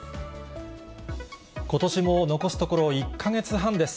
ことしも残すところ１か月半です。